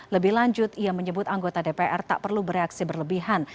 lebih lanjut ia menyebut anggota dpr tak perlu bereaksi berlebihan